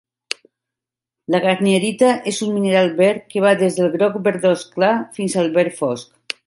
La garnierita és un mineral verd que va des del groc verdós clar fins al verd fosc.